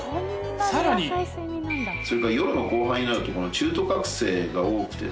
さらにそれから夜の後半になるとこの中途覚醒が多くて。